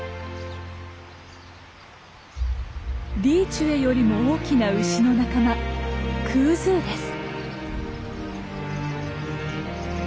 リーチュエよりも大きなウシの仲間クーズーです。